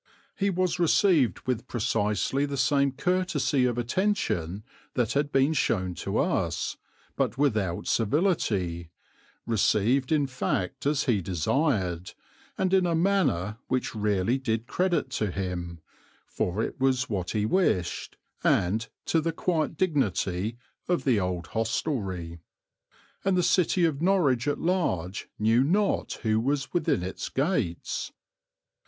He was received with precisely the same courtesy of attention that had been shown to us, but without servility, received in fact as he desired, and in a manner which really did credit to him, for it was what he wished, and to the quiet dignity of the old hostelry; and the city of Norwich at large knew not who was within its gates.